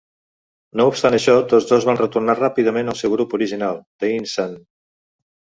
No obstant això, tots dos van retornar ràpidament al seu grup original, The Insane.